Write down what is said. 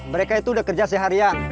mereka itu udah kerja seharian